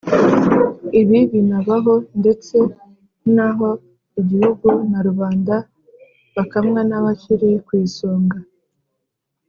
ibi binaba ho ndetse n' aho igihugu na rubanda bakamwa n' abakiri ku isonga.